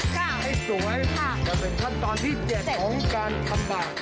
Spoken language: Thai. ค่ะค่ะให้สวยค่ะจะเป็นขั้นตอนที่๗ของการทำบาท